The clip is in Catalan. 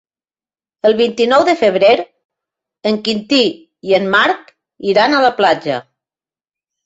El vint-i-nou de febrer en Quintí i en Marc iran a la platja.